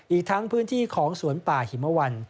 อีกทั้งพื้นที่ของสวนป่าหิมวัน